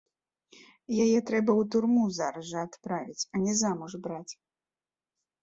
Яе трэба ў турму зараз жа адправіць, а не замуж браць!